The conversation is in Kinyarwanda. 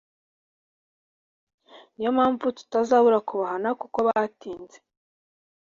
Niyo mpamvu tutazabura kubahana kuko batinze